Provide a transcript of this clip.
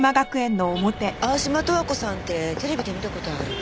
青嶋都和子さんってテレビで見た事ある。